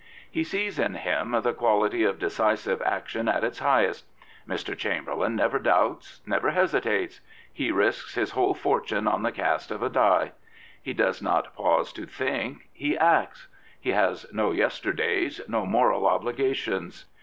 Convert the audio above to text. He sees in him the quality of decisive action at its highest. Mr. Chamberlain never doubts, never hesitates. He risks his whole fortune on the cast of a die. He does not pause to think: he acts. He has no yesterdays, no moral obligations.